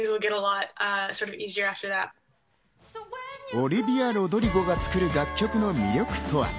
オリヴィア・ロドリゴが作る楽曲の魅力とは。